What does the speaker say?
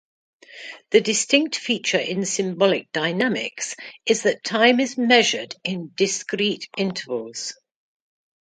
The distinct feature in symbolic dynamics is that time is measured in "discrete" intervals.